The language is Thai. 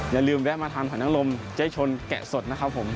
อย่าลืมแวะมาทานหลังน้ำลมเจ็ดชนแก่สดนะครับผม